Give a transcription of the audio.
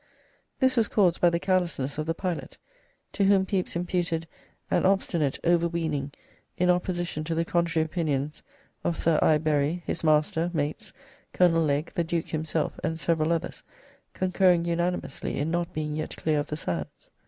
This was caused by the carelessness of the pilot, to whom Pepys imputed "an obstinate over weening in opposition to the contrary opinions of Sir I. Berry, his master, mates, Col. Legg, the Duke himself, and several others, concurring unanimously in not being yet clear of the sands."